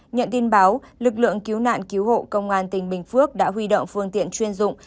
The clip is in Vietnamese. nhận tin báo lực lượng cứu nạn cứu hộ công an tỉnh bình phước đã huy động phương tiện chuyên dụng